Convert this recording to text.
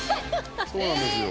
そうなんですよ。